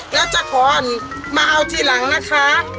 แล้วจะขอมาเอาทีหลังนะคะ